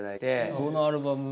どのアルバム？